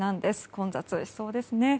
混雑しそうですね。